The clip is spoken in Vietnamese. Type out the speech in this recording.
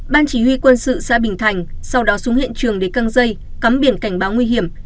ban chỉ huy quân sự xã bình thành sau đó xuống hiện trường để căng dây cắm biển cảnh báo nguy hiểm